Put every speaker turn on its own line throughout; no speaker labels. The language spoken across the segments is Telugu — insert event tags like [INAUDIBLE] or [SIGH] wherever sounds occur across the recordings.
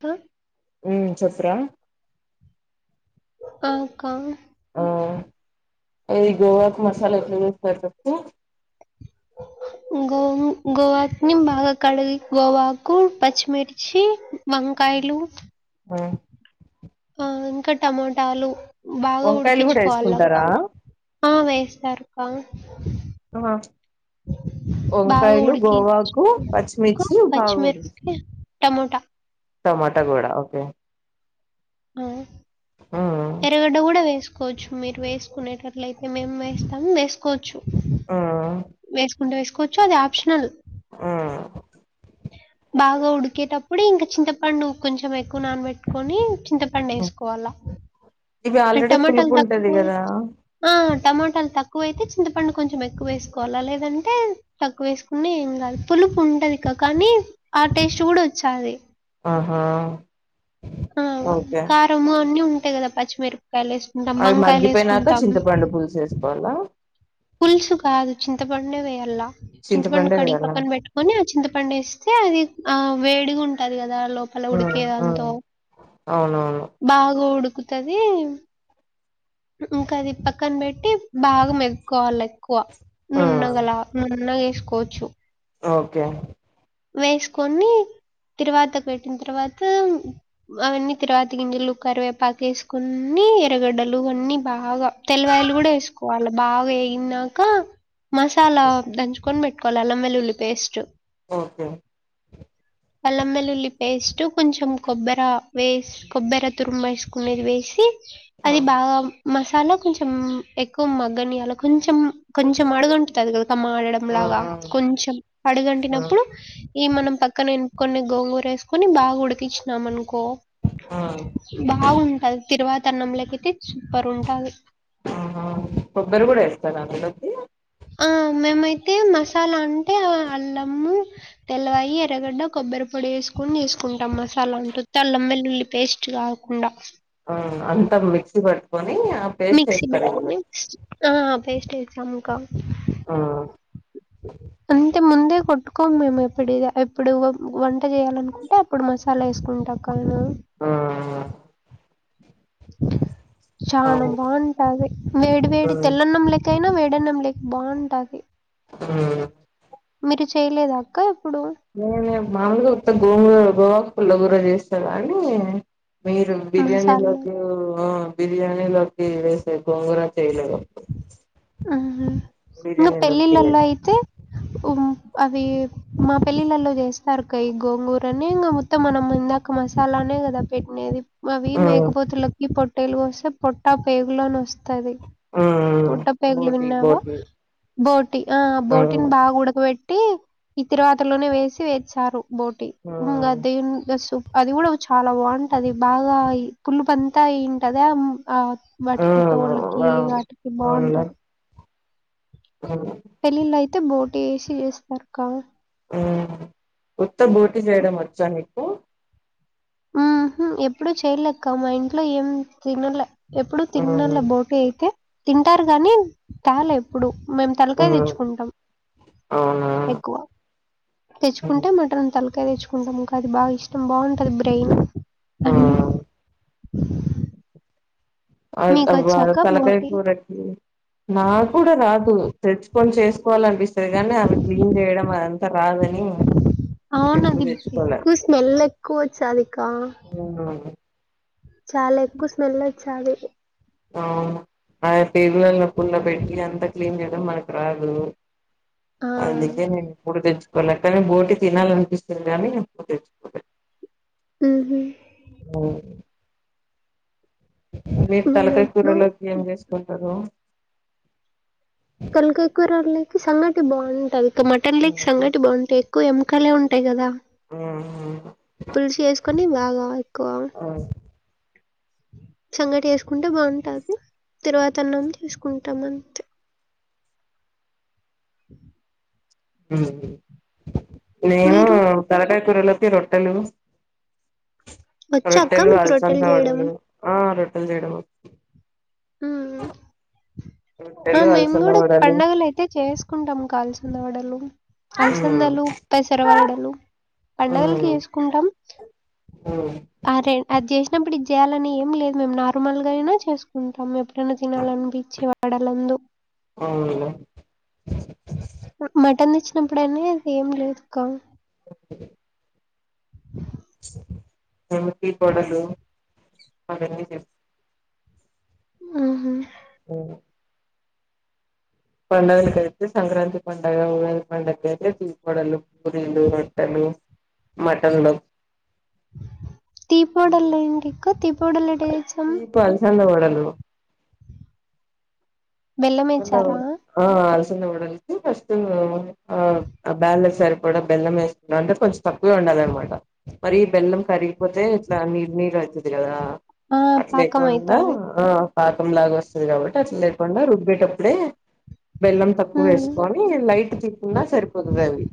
హ
మ్ చెప్పురా?
ఆ అక్కా
ఆ ఏది గోవాకు మసాలా ఎట్లా యూస్ పప్పు
ఉ అ గోవు గోవాకిని బాగా కడిగి గోవాకు పచ్చిమిర్చి మమ్కాయలు
ఆ
ఆ ఇంక టమోటాలు బాగా
వంకాయలు కూడా
ఉడికించుకోవాలక్క
వేసుకుంటారా
ఆ వేస్తారు పా
ఆహ
బాగా
వంకాయలు,
ఉడికించుకో
గోగాకు, పచ్చిమిర్చి, భాగో
పచ్చిమిరపకాయ టమోటా
టమాటా గూడ ఓకే
ఆ
ఆ
ఎరగడ్డ కూడా వేసు కొంచెం మీరు వేసుకునేటట్ల అయితే మేము వేస్తాం వేసుకోవచ్చు.
ఆ
వేసుకుంటే వేసుకోవచ్చు అది ఆప్షనల్
ఆ
బాగా ఉడికేటప్పుడు ఇంక చింతపండు కొంచం ఎక్కువ నాన్బెట్టు ట్టుకొని చింతపండు ఎసుకోవాల,
ఇవి ఆల్రెడీ
టమాటాలు
పులుపు ఉంటది
తక్కువ
కదా
ఆ టమాటాలు తక్కువ అయితే చింతపండు కొంచెం ఎక్కువ వేసుకోవాలా లేదంటే తక్కువ వేసుకున్నా ఏం కాదు పులుపు ఉంటది ఇక్క కానీ ఆ టేస్ట్ కూడా వచ్చాది.
ఆహా, ఓకే.
టము అన్ని ఉంటయి కదా పచ్చిమిరపకాయలు ఏసు
అవి మగ్గిపోయినాక చింతపండు పులుసు ఎసుకోవాలా?
పుల్సు కాదు చింత పండే వేయల్లా చింతపండు
చింతపండే
కడిగి
వేయాలా
పక్కన బెట్ కొని ఆ చింతపండు ఎస్తే అది ఆ వేడిగా ఉంటది కదా లోప అలా
ఆ
ఉడికేదాంతో,
అవునవును
బాగా ఉడుకుతది ఇంకా అది పక్కన పెట్టి బాగా మెదుకోవాలె ఎక్కువ
ఆ
నున్నగలా. నున్నగా చేసుకోవచ్చు.
ఓకే.
వేసుకొని తిరువాతకు పెట్టిన తర్వాత అవన్నీ తిరువాత గింజలు, కరివేపాకు వేసుకొని ఎర్రగడ్డ లువన్నీ బాగా తెల్లవాయలు కూడా వేసుకోవాలి బాగా ఏగినాక మసాలా దంచుకొని పెట్టుకోవాలె అల్లం వెల్లుల్లి పేస్ట్.
ఓకే
అల్లం వెల్లుల్లి పేస్టు కొంచెం కొబ్బెరా వేస్ కొబ్బర తురుమ వేసుకునేది వేసి
ఆ
అది బాగా మసాలా కొంచెం ఎక్కువ మగ్గనీయాల కొంచెం కొంచెం అడుగంటుతది కదా
ఆ
మాడడంలాగా కొంచెం
ఆ
అడుగంటినప్పుడు ఏ మనం పక్కన కొన్ని గోంగూర వేసుకుని బాగా ఉడికిచినాం అనుకో
ఆ
బాగుంటది తిరువాత అన్నంలోకయితే సూపర్ ఉంటాది.
ఆహా కొబ్బర కూడా ఎస్తరా అందులోకి.
ఆ మేమైతే మసాలా అంటే అల్లము తెల్లవాయి, ఎర్రగడ్డ, కొబ్బరి పొడి ఎసుకొని చేసుకుంటాం మసాలా అంటే ఉత్త అల్లం వెల్లుల్లి పేస్ట్ కా కుండా.
ఆ అంతా మిక్సీ పట్టుకొని అ
మిక్సీ పట్టుకోని ఆ పేస్ట్ ఎసాము కా
ఆ
అంతే ముందే కొట్టుకోము మేము ఎప్పుడిలా ఎప్పుడు వంట చేయాలనుకుంటే అప్పుడు మ సాల చేసుకుంటా అక్క నేను.
ఆ
చానా
అవును
బావుంటాది వేడి వేడి
ఉమ్
తెల్లన్నం లె కైనా వెడన్నం లేకి బావుంటాది.
హ్
మీరు చేయలేదక్కా ఇప్పుడు
నేనే మామూలుగా ఉత్త గోంగూర గోఆకు పుల్లగూర చేసిన కాని మీరు
మసాలా
బిర్యానీలోకి ఆ బిర్యానీలోకి వేసే గోంగుర చేయలేదు.
ఆహా ఇంగా
బిర్యానీలోకి
పెళ్ళిళ్ళలో
తినేది
అయితే ఉమ్ అవి మా పెళ్ళిళల్లో చేస్తారు అక్క ఈ గోంగూరని ఇంగా మొత్తం మనం ఇందాక మసాలానే కదా పెట్టినేది. అవి
ఆ
మేకపోతులకి పొట్టేలు కోస్తే పొట్టా, పేగులని వస్తది.
ఆ
పొట్ట పేగులు
బోటి
విన్నావా,
బోటి
బోటీ ఆ బోటీని బాగా ఉడకబెట్టి ఈ తిరువాత లోనే వేసి వేంచ్చారు బోటీ
ఆ
ఇంగా [INAUDIBLE] సు అది కూడా చాలా బావుంటది బాగా ఈ పులుపంతా తింటదా ఆ
ఆ
వాటికి తోళ్ళకి
అవును
వాటికి బాగుంట
మ్
పెళ్ళిళ్ళ అయితే బోటీ ఏసి చేస్తారు క
ఆ ఉత్త బోటీ చేయడం వచ్చా నీ
ఉహు ఎప్పుడు చెయలేెక్క మా ఇంట్లో ఏం తినలే ఎప్పుడు
ఆ
తిన్నళ బోటీ అయితే తింటారు గాని తాల ఎప్పుడు మేం
ఆ
తలకాయ తెచ్చుకుంటాం ఎక్కువ
అవునా
తెచ్చుకుంటే మటన్ తలకాయ తెచ్చుకుంటాం ఇంకా అది బాగ ఇష్టం బాగుంటది బ్రెయిన్
ఆ
అన్ని
ఆ అ
మీకు
అవ్వ
వచ్చాక
తలకాయ
బోటి
కూర నా కూడా రాదు తెచ్చుకొని చేసుకోవాలనిపిస్ కానే అవి క్లీన్ చేయడం అదంతా రాదని ఎప్పుడు
అవునది
తెచ్చుకోలే
ఎక్కువ స్మెల్ ఎక్కువ వచ్చాదిక్కా
అ
చాలా ఎక్కువ స్మెల్ వచ్చాది
ఆ ఆ పేగుల పుల్ల పెట్టి అంత క్లీన్ చేయడం మనకు రాదు
ఆ
అందుకే నేను కుడ తెచ్ కొనక్కనీ బోటీ తినాలనిపిస్తుంది కానీ
ఉహు
అ మీరు
నేను
తలకాయ
ఎప్పుడు
కూరలోకి ఏం జేసుకుంటరు
తలకాయ కూరలేకి సంగటి బాంటది ఇంక మటన్ లేకి సంగటి బాగుంటాయి ఎక్కువ ఎముకలే ఉంటాయి కదా
ఆ
పులుసు ఏసుకొని బాగా ఎక్కువ సంగటి ఏసుకుంటే బాగుంటది తిరువాతన్నం చేసుకుంటాం అంతే
నేను
మీరు
తరకాయ కూరలోకి రొట్టెలు
వచ్చాక్క
రొట్టెలు
మీకు
అలసంద
రొట్టెలు చేయడం
వడలు ఆ రొట్టెలు చేయడం
హ్మ్మ్ ఆ
రొట్టెలు
మేము
అలసంద
గూడ
వడలు
పండుగలు అయితే చేస్ క్కుంటాము కల్సిందవడలు
మ్మ్
అలసందలు పెసరవడలు పండగలకి ఏసుకుంటాం
అ
అరే అది జేసినప్పుడు ఇది జేయాలని ఏం లేదు మేం నార్మల్గాయినా చేసుకుంటాం ప్పు రెండు తినాలనిపించి వడలందు
అవును
మటన్ తెచ్చినప్పుడనే ఏం లేదు క్క
ఎమిటి కొడలు అవన్నీ చెప్
ఉహు
ఆ పండుగలకైతే సంక్రాంతి పండగ ఉగాది పండక్కి అయితే తీపడలు పూరిలు మటన్ మటన్లు
టీ పౌడర్ లేనిది ఈ ఫడలు ఎట చేస్తాం
సంద వడలు న్న
బెల్లమేసారా?
ఆ అలసందవడలుకు ఫస్ట్ ఉ ఆ బ్యాళ్లకు సరి పడ బెల్లం వేసుకున్నాం అంటే కొంచెం తక్కువే ఉండాలనమాట మరి బెల్లం కరిగిపోతే ఇట్లా నీరు నీరు అయితది కదా
ఆ!
అట్ లేకుండా
పాకమైతాది.
ఆ పాకం లాగా వస్తది కాబట్టి అట్ల లేకుండా రుబ్బేటప్పుడే బెల్లం తక్కువ
హ్మ్.
వేసుకోవాలి లైట్ చికుందా సరిపోతది అవి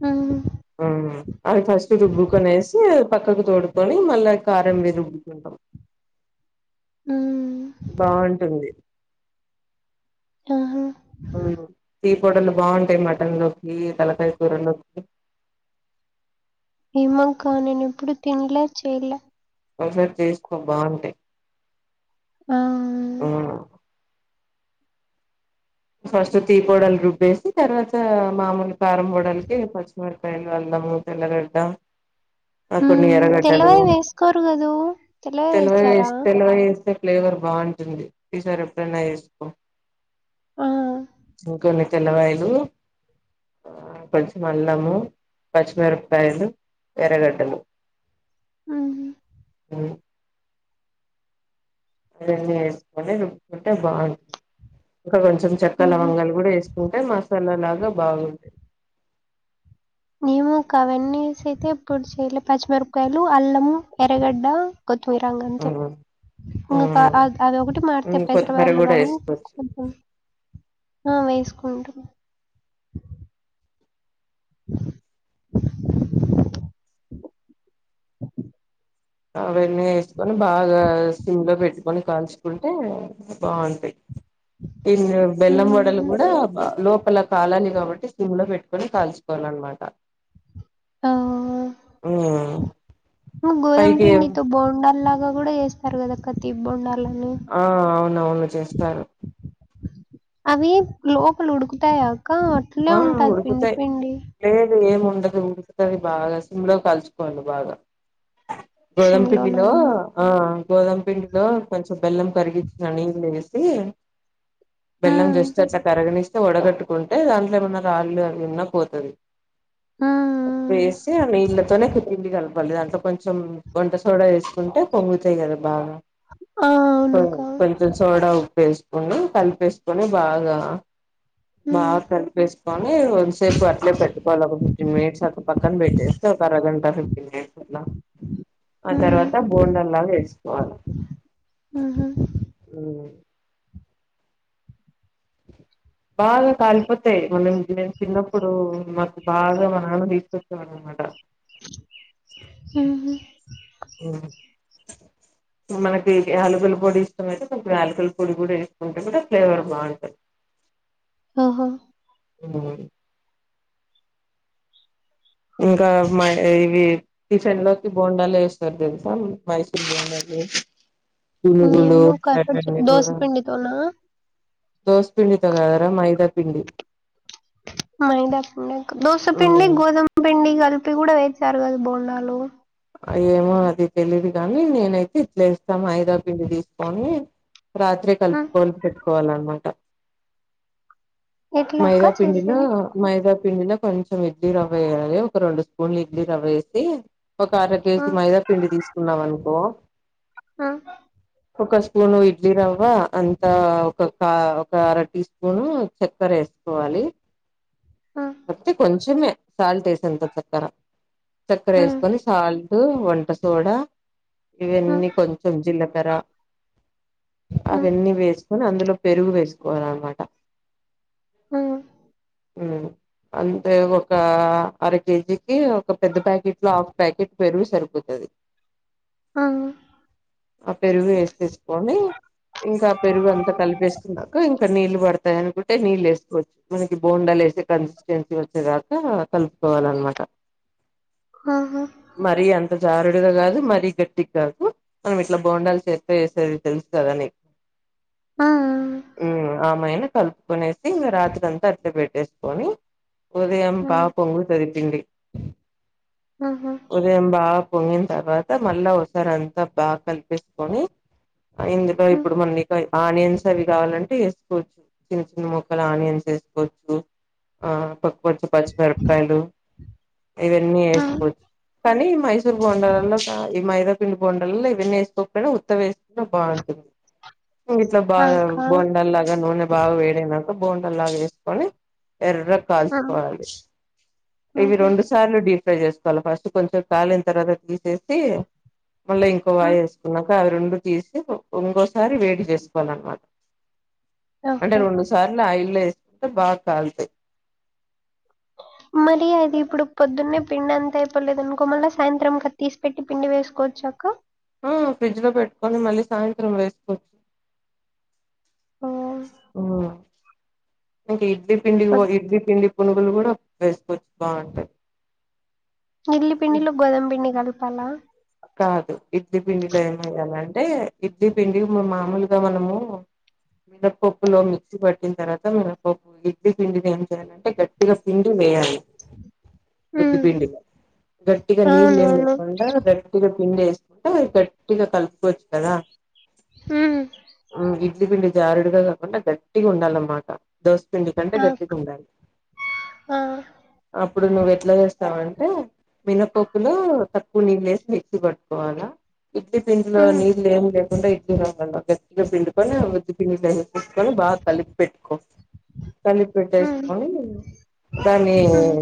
ఊ
ఊ అవి ఫస్ట్ రుబ్బుకొనేసి పక్కకు తోడుకొని మళ్ళా కారంవి రుబ్బుకుంటాం
హ్మ్.
బాగుంటుంది
ఆహా
టీ పొడర్లు బాగుంటాయి మటన్ లోకి తలకాయ కూర లోకి
ఏమంక నేను ఎప్పుడు తినలే చేయలే
ఒకసారి చేసుకో బాగుంటాయ్
ఆవ్
ఫస్ట్ తీపొడలు రుబ్బేసి తర్వాత మామూలు కారం వడలకి మెరకాయలు అల్లము తెల్లగడ్డ ఆ కొన్ని
హ్మ్.
ఎరగడ్డలు
తెల్లవై వేసుకోరు గదూ! తెల్లవై
తెల్లవాయిలు
వేశారా?
వేస్ తెల్లవాయలు వేస్తే ఫ్లేవర్ బాగుంటుంది ఈసారి ఎప్పుడైనా వేసుకో
ఆ
ఇంకొన్ని తెల్లవాయిలు కొంచం అల్లము పచ్చిమిరపకాయలు ఎరగడ్డలు
ఉహు
ఉ ఇవ్వన్ని వేస్కుని రుబ్బుకుంటే బాగుం ఇంకా కొంచెం చెక్క
హుహు.
లవంగాలు కూడా వేసుకుంటే మసాలా లాగా బాగుంటాయి
ఏమోక అవన్ని వేసి అయితే ఎప్పుడు చేయలే పచ్చిమిరపకాయలు అల్లము ఎర్రగడ్డ కొత్తిమీర ఇంగ అంతే ఇంగ క అద్ అది ఒకటి మారుతాయ్ పెసర
కొత్తిమీర
బ్యాళ్లు
కూడా
కాని
వేసుకోవచ్చు
కొంచం ఆ వేసుకుంటం
అవన్నీ వేసుకొని బాగా సిమ్ లో పెట్టుకొని కాల్చుకుంటే బాగుంటాయి ఇన్ని బెల్లం వడలు
హుహు.
కూడా బ లోపల కాలని కాబట్టి సిమ్ లో పెట్టుకొని కాల్చుకోవాల అన్నమాట
ఆ!
ఊ
గోధుమ పిండితో బోండాల్ లాగా కూడా చేస్తారు కదక్క తీపి బోండాలని
ఆ అవునవును చేస్తారు
అవి లోపలు ఉడుకుతాయాక అట్లే
ఆ
ఉంటది పిండి
ఉడుకుతాయి
పిండి
లేదు ఏమి ఉండదు ఉంటది బాగా సిమ్లో కాల్చుకోవాలి బాగా గోధుమ
సిమ్‌లోనా?
పిండిలో ఆ గోదమపిండిలో కొంచెం బెల్లం కరిగించిన నీళ్లు వేసి బెల్లం
హ్మ్.
జస్ట్ అట్లా కరగనిస్ వడగట్టుకుంటే దాంట్లో ఏమన్నా రాళ్ళు అవి వున్న పోతది
హ్మ్. హ్మ్.
వేసి ఆ నీల్ తోనే పిండి కలపాలి దాంట్లో కొంచెం వంట సోడా వేసుకుంటే పొంగుతాయి కదా బాగా
ఆ!
అ
అవునుకా.
ప సోడా ఉప్పేసుకునీ కలిపేసుకొని బాగా
హ్మ్.
బాగా కలి వేసుకొని కొంతసేపు అట్లే పెట్టుకోవాలి ఒక ఫిఫ్టీన్ మినిట్స్ అక్క పక్కన పెట్టేస్తే ఒక అరగంట ఫిఫ్టీన్ మినిట్స్ ఆ
హ్మ్.
తర్వాత బోండల్లాగా వేసుకోవాలే
హుహు.
ఉ బాగా కాలిపోతాయి మనం నేను చిన్నప్పుడు మాకు బాగా మా నానా తీసుకొచ్చా అన్మట
ఆ
మనకి యాలుకల పొడి ఇష్టమాయితే కొంచెం యాలకుల పొడి కూడా వేసుకుంటే కూడా ఫ్లేవర్ బాగుంటది
హ
ఆ ఇంకా మ ఇవి టిఫిన్ లోకి బోండాలు వేస్తారు తెలుసా మైసూర్ బోండాలు గ చ
అవున
దోస్పిండి తో కదారా మైదా పిండి
మైదాపిండి దోసపిండి
ఉమ్
గోధుమ పిండి కలిపి కూడా వేచారు కదా బోండాలు
ఏమో అది తెలీదు కాని నేనైతే ఇట్లేస్తా మైదాపిండి తీసుకోని రాత్రే
హ్మ్.
కలుపుకోని పెట్టుకోవాలన్నమాట
ఎట్లా అక్క
మైదాపిండిలో
చేసేది?
మైదా పిండిలో కొంచెం ఇడ్లీ రవ్వ వేయాలి ఒక రెండు స్పూన్ ఇడ్లీ రవ్వ వేసి ఒక అర కేజీ
హ్మ్.
మైదా పిండి తీసుకున్నాం అనుకో
ఆ
ఒక స్పూను ఇడ్లీ రవ్వ అంతా ఒక ఒక అర టీ స్పూను చక్కర ఏసు కోవాలి.
హ్మ్.
మతే కొంచమే సాల్ట్ వేసేంత చక్కర చక్కర వే
హ్మ్.
సాల్ట్ వంట సోడా ఇవన్నీ కొం జిలకర
హ్మ్.
అవన్నీ వేస్ కాని అందులో పెరుగు వేసుకోవాలనమాట
ఆ
అంటే ఒక అర కేజీకి ఒక పెద్ద ప్యాకెట్ లో ఆ ఫ్ ప్యాకెట్ పెరుగు సరిపోతది
అ
ఆ పెరుగు వేసిసుకొని ఇంకా పెరుగు అంతా కలిపేస్తుకున్నాక ఇంకా నీళ్ళు పడతాయి అనుకుంటే నీళ్ళు వేసుకోవచ్చు మనకి బోండాలు వేసే కన్సిస్టెన్సీ వచ్చేదక కలుపుకోవాల అన్నమాట
ఆహా
మరి అంత జారుడుగా కాదు మరీ గట్టికి కాదు మనం ఇట్లా బొండాలు చేత్తో వేసేది తెలుసు కదా నీకు
హ్మ్.
ఆమైనా కలుప్ కునేసి ఇంగ రాత్రంతా అట్టే పెట్టేసుకొని ఉదయం బా
హ్మ్.
పొంగుతాది పిండి
ఆహా
ఉదయం బాగా పొంగిన తర్వాత మళ్ళా ఒకసారి అంతా బాగా కలిపిసుకొని ఆ ఇందుక
హ్మ్.
ఇప్పుడు మని పై ఆనియన్స్ అవి కావాలంటే ఏసుకోవచ్చు చిన్న చిన్న ముక్కలు ఆనియన్స్ ఏసుకోవచ్చు ఆ పప్పు కొచ్చే పచ్చి మిరపకాయలు ఇవన్నీ
హ్మ్.
ఏసుకోవ కానీ మైసూరు బోండలల్లో ఈ మైదాపిండి బోండలల్లో ఇవన్నీ ఏసుకోకపోయినా కొత్తవి ఏసుకున్న బాగుంటుంది ఇంగిట్లా
ఆ!
బాగా
అక్క.
బోండల్లగా నూనే బాగా వేడైనాక బోండల్లాగా ఏసుకొని ఎర్ర
హ్మ్.
కాల్చుకోవాలి ఇవి
హుహు.
రెండు సార్లు డీ ఫ్రై చేసు కోవల ఫస్ట్ కొంసేపు కాలిన తర్వాత తీసేసి మళ్ళా ఇంకో వాయి
హ్మ్.
ఏసుకున్నాక అవి రెండు తీసి ఇంకోసారి వేడి చేసుకోవాలన్నమాట అంటే
ఓహో!
రెండు సార్లు ఆయిల్ ఏసుకుంటే బాగా కాలుతాయి
మరి అది ఇప్పుడు పొద్దున్నే పిండి అంతా అయిపోలేదు అనుకో మళ్ళా సాయంత్రంకి అది తీసి పెట్టి పిండి వేసుకోవచ్చా అక్క
ఆ ఫ్రిడ్జ్‌లో పెట్టుకొని మళ్ళీ సాయంత్రం వేసుకోవ
ఆ,
ఆ ఇంకా ఇడ్లీ పిండి
పొద్-
ఇడ్లీ పిండి పునుగులు కూడా వేసుకోవచ్చు బాగుంటాయి
ఇడ్లీ పిండిలో గోధుమ పిండి కలపాలా
కాదు ఇడ్లీ పిండిలో ఏమేయ్యాలంటే ఇడ్లీ పిండి ఇప్పుడు మామూలుగా మనము మినపప్పులో మిక్సీ పట్టిన తర్వాత మినపప్పు ఇడ్లీ పిండిని ఏం చేయాలంటే గట్టిగా పిండి వేయాలి ఉద్ధి
ఉమ్
పిండిలో గట్టిగా నీల్లు ఏంలే
అవునవును
కుండా గట్టిగా పిండేసుకుంటే అది గట్టిగా కలుపుకోవచ్చు కదా
ఉమ్మ్
ఉమ్మ్ ఇడ్లీ పిండి జారుడుగా కాకుండా గట్టిగా ఉండాలన్నమాట దోశపిండి కంటే
ఆ
గట్టిగా ఉండాలి
ఆ
అప్పుడు నువ్వు ఎట్లా చేస్తావంటే మినపప్పులో త క్కువ నీళ్లేసి మిక్సీ పట్టుకోవాలా ఇడ్లీ పిండిలో
ఉమ్
నీళ్ళు ఏం లేకుండా ఇడ్లీ రావ్వలో గట్టిగా పిండుకొని ఉద్దిపిండి లే తీసుకొని బాగా కలిపి పెట్టుకో కలిపి
ఉమ్
పెట్టేసుకొని దాన్ని
ఉమ్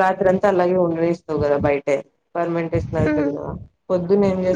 రాత్రంతా అలాగే ఉండనిస్తావు కదా బయటే పర్మెంటేషన్
ఉమ్.
అయితాది కదా పొద్దున్న ఏం చే